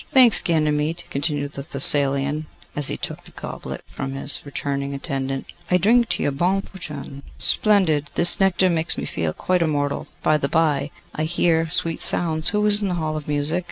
Thanks, Ganymede,' continued the Thessalian, as he took the goblet from his returning attendant. 'I drink to your bonnes fortunes. Splendid! This nectar makes me feel quite immortal. By the bye, I hear sweet sounds. Who is in the Hall of Music?